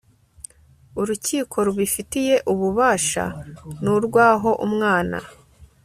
urukiko rubifitiye ububasha ni urw aho umwana